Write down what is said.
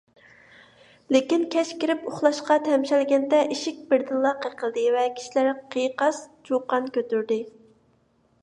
لېكىن، كەچ كىرىپ ئۇخلاشقا تەمشەلگەندە، ئىشىك بىردىنلا قېقىلدى ۋە كىشىلەر قىيقاس - چۇقان كۆتۈردى.